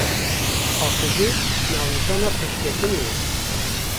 Paqijî navnîşana pêşketinê ye.